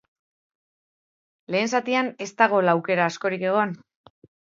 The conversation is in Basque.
Lehen zatian ez da gol aukera askorik egon.